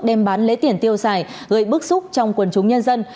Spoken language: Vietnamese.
đem bán lễ tiền tiêu xài gây bức xúc trong quân chúng nhân dân